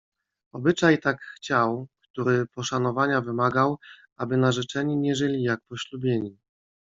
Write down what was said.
"Obyczaj tak chciał, który poszanowania wymagał, aby narzeczeni nie żyli jak poślubieni."